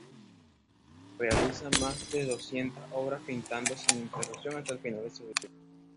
Realiza más de doscientas obras pintando sin interrupción hasta el final de su vida.